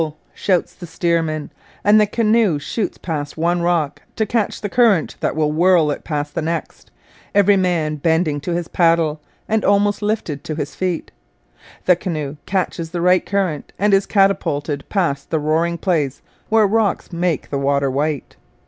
shouts the steersman; and the canoe shoots past one rock to catch the current that will whirl it past the next, every man bending to his paddle and almost lifted to his feet. The canoe catches the right current and is catapulted past the roaring place where rocks make the water white.